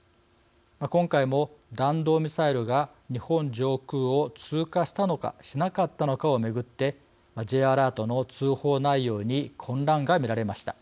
今回も弾道ミサイルが日本上空を通過したのかしなかったのかを巡ってＪアラートの通報内容に混乱が見られました。